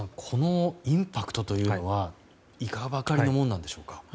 このインパクトというのはいかばかりのものでしょうか。